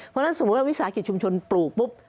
เพราะฉะนั้นสมมุติว่าวิสาหกิจชุมชนปลูกปุ๊บ